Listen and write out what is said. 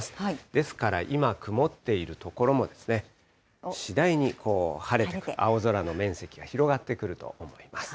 ですから今、曇っている所も次第に晴れて、青空の面積が広がってくると思います。